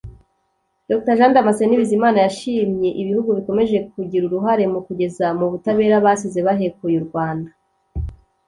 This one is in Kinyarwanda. Dr Jean Damascene Bizimana yashimye ibihugu bikomeje kugira uruhare mu kugeza mu butabera abasize bahekuye u Rwanda